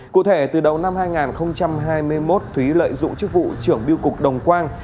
cụ thể từ đầu năm hai nghìn hai mươi một thúy lợi dụng chức vụ trưởng biêu cục đồng quang